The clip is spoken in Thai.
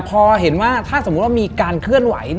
พอเห็นว่าถ้าสมมุติว่ามีการเคลื่อนไหว